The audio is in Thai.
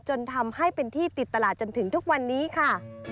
จนทำให้เป็นที่ติดตลาดจนถึงทุกวันนี้ค่ะ